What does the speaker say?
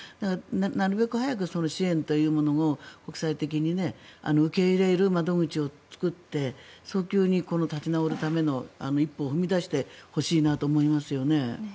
なるべく早く支援というものを、国際的に受け入れる窓口を作って早急に立ち直るための一歩を踏み出してほしいなと思いますね。